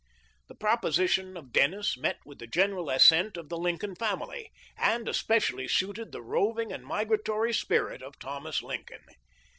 The proposition of Dennis met with the general assent of the Lin coln family, and especially suited the roving and migratory spirit of Thomas Lincoln.